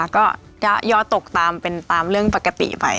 ก็ยอดตกตามเป็นตามเรื่องปกติไป